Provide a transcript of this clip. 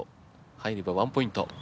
入れば１ポイント。